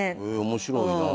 面白いな。